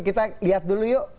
kita lihat dulu yuk